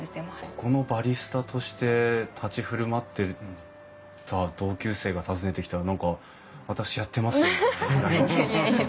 ここのバリスタとして立ち振る舞って同級生が訪ねてきたら何か「私やってます」みたいな。